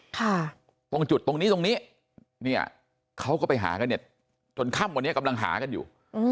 ตรงจุดตรงนี้ตรงนี้เนี่ยเขาก็ไปหากันเนี่ยจนค่ำวันนี้กำลังหากันอยู่